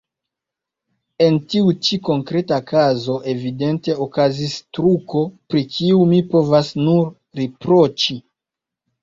En tiu ĉi konkreta kazo evidente okazis truko, pri kiu mi povas nur riproĉi.